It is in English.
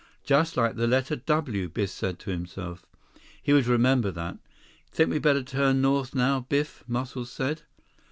"Just like the letter 'W,'" Biff said to himself. He would remember that. "Think we better turn north now, Biff?" Muscles said.